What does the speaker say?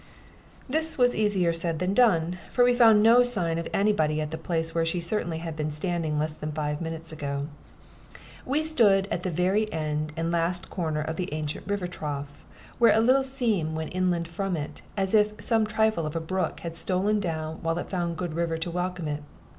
This was easier said than done, for we found no sign of any body at the place where she certainly had been standing less than five minutes ago. We stood at the very end and last corner of the ancient river trough, where a little seam went inland from it, as if some trifle of a brook had stolen down while it found a good river to welcome it.